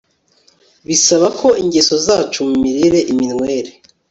Bisaba ko ingeso zacu mu mirire iminywere